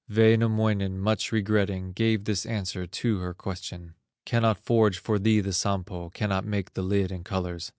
Wainamoinen, much regretting, Gave this answer to her question: "Cannot forge for thee the Sampo, Cannot make the lid in colors.